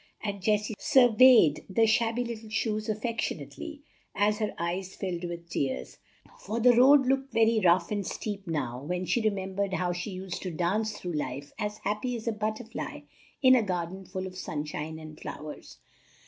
and Jessie surveyed the shabby little shoes affectionately, as her eyes filled with tears; for the road looked very rough and steep now, when she remembered how she used to dance through life as happy as a butterfly in a garden full of sunshine and flowers.